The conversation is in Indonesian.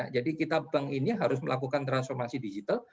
jadi kita bank ini harus melakukan transformasi digital